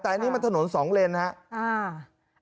แต่อันนี้มันถนนสองเลนครับ